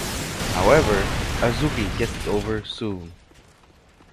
However, Azuki gets over it soon.